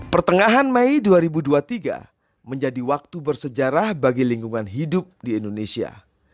pertengahan mei dua ribu dua puluh tiga menjadi waktu bersejarah bagi lingkungan hidup di indonesia